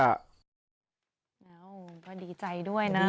อ้าวก็ดีใจด้วยนะ